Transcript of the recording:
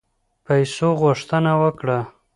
پیسو غوښتنه وکړه.